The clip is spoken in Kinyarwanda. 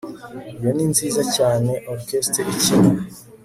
Iyo ni nziza cyane orchestre ikina